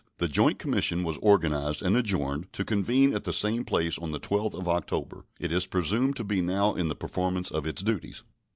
The joint commission was organized, and adjourned to convene at the same place on the 12th of October. It is presumed to be now in the performance of its duties.